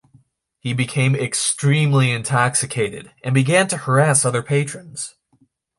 He became extremely intoxicated and began to harass other patrons.